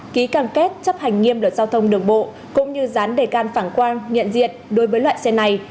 ký cam kết chấp hành nghiêm luật giao thông đường bộ cũng như dán đề can phản quang nhận diện đối với loại xe này